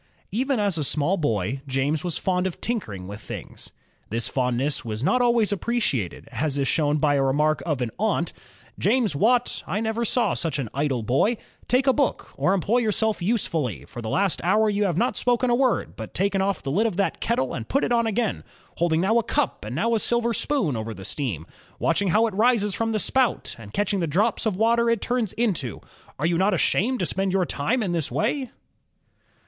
Even as a small boy, James was fond of tinkering with things. This fondness was not always appreciated, as is shown by a remark of an aunt: "James Watt, I never saw such an idle boy; take a book or employ yourself usefully; for the last hour you have not spoken a word, but taken oflF the lid of that kettle and put it on again, holding now a cup and now a silver spoon over the steam, watching how it rises from the spout, and catching the drops of water it turns into. Are you not ashamed to spend your time in this way?''